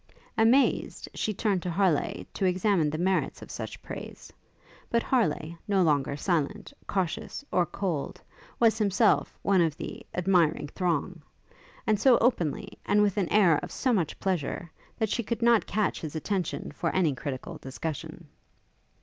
Amazed, she turned to Harleigh, to examine the merits of such praise; but Harleigh, no longer silent, cautious, or cold, was himself one of the 'admiring throng,' and so openly, and with an air of so much pleasure, that she could not catch his attention for any critical discussion.